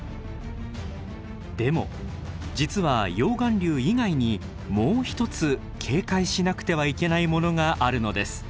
でも実は溶岩流以外にもう一つ警戒しなくてはいけないものがあるのです。